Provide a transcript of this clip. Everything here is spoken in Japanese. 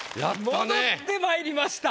戻ってまいりました。